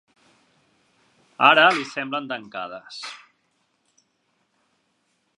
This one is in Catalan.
Ara li semblen tancades.